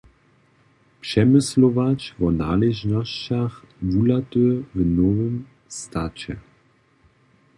Přemyslowach wo naležnosćach waluty w nowym staće.